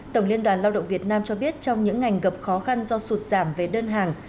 tổng liên đoàn lao động việt nam cho biết trong những ngành gặp khó khăn do sụt giảm về đơn hàng